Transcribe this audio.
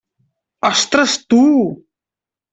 Ostres, tu!